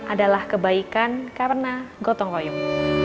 adalah kebaikan karena gotong royong